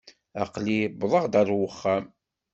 Aql-i uwḍeɣ ɣer uxxam.